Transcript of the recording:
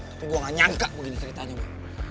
tapi gua gak nyangka begini ceritanya